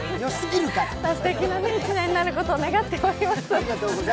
すてきな一年になることを願っています。